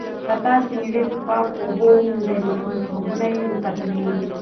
که تاسي مېوې په پاکو اوبو ومینځئ نو مکروبونه یې ختمیږي.